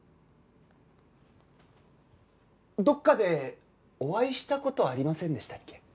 どっかでお会いした事ありませんでしたっけ？